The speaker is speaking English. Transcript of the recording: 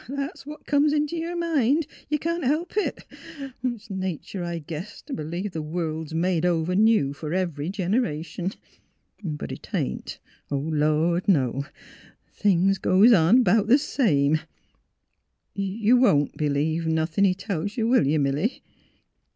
That's what comes int' yer min'. You can't help it. ... It's natur', I guess, t' b'lieve the world's made over new fer every generation. But 'tain 't. Lord, no! Things goes on 'bout th' same. You — you won't b'lieve nothin' he tells you; will you, Milly?